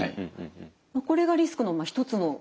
これがリスクの一つの方法。